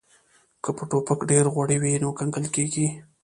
که په ټوپک ډیر غوړي وي نو کنګل کیږي